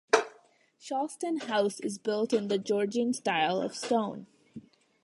Shalstone House is built in the Georgian style, of stone.